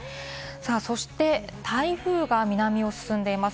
そして台風が南を進んでいます。